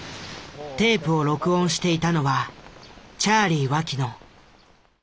テープを録音していたのはチャーリィ脇野。